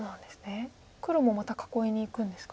黒もまた囲いにいくんですか。